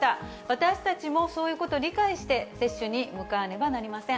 私たちもそういうことを理解して、接種に向かわねばなりません。